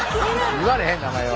言われへん名前は。